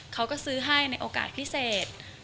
เขาก็ซื้อให้ในโอกาสพิเศษ